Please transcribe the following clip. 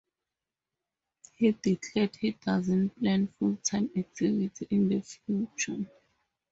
He declared he doesn't plan full-time activity in the future.